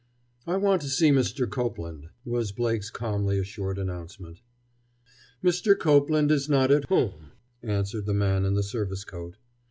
"I want to see Mr. Copeland," was Blake's calmly assured announcement. "Mr. Copeland is not at home," answered the man in the service coat.